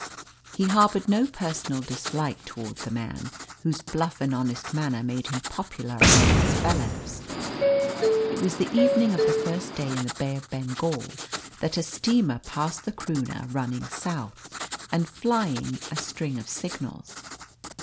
He harboured no personal dislike towards the man, whose bluff and honest manner made him popular among his fellows. It was the evening of the first day in the Bay of Bengal that a steamer passed the Croonah, running south, and flying a string of signals.